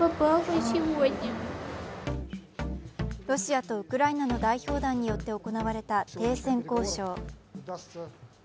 ロシアとウクライナの代表団によって行われた停戦交渉。